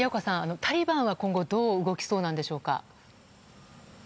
タリバンは今後どう動きそうなんでしょうか。